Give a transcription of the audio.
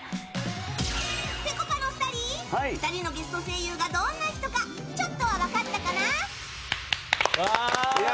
ぺこぱの２人２人のゲスト声優がどんな人かちょっとは分かったかな？